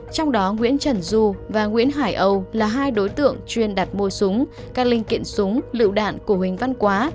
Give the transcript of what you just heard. trong đó nguyễn trần du và nguyễn hải âu là hai đối tượng chuyên đặt mua súng các linh kiện súng lựu đạn của huỳnh văn quá